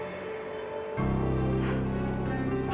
lalu enggak siapin semuanya ya